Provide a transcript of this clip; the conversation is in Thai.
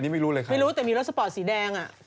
ไม่รู้มีรถสปอตสีแดงอ่ะ